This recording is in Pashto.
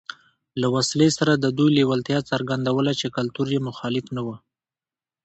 له وسلې سره د دوی لېوالتیا څرګندوله چې کلتور یې مخالف نه و